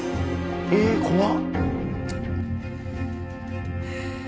ええ怖っ。